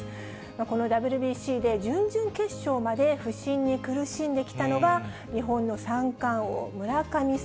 このＷＢＣで準々決勝まで不振に苦しんできたのが、日本の三冠王、村神様